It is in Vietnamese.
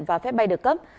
và phép bay được cấp